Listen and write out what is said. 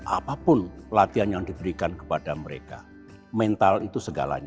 apapun latihan yang diberikan kepada mereka mental itu segalanya